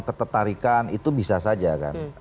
ketertarikan itu bisa saja kan